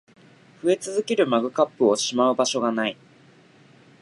増え続けるマグカップをしまう場所が無い